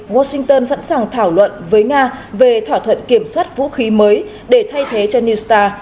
washington sẵn sàng thảo luận với nga về thỏa thuận kiểm soát vũ khí mới để thay thế cho new star